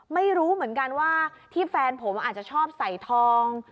ไม่รู้เหมือนกันว่าที่แฟนผมอาจจะชอบใส่ทอง